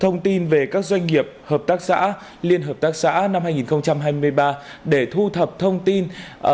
thông tin về các doanh nghiệp hợp tác xã liên hợp tác xã năm hai nghìn hai mươi ba để thu thập thông tin